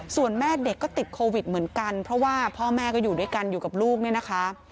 ส่วนแม่เด็กก็ติดโควิดเหมือนกันเพราะว่าพ่อแม่ก็อยู่ด้วยกันอยู่กับลูกเนี่ยนะคะ